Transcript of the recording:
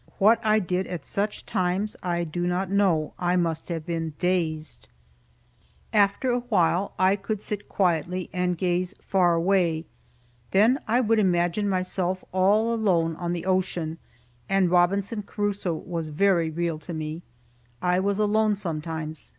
What I did at such times I do not know. I must have been dazed. After a while I could sit quietly and gaze far away. Then I would imagine myself all alone on the ocean, and Robinson Crusoe was very real to me. I was alone sometimes.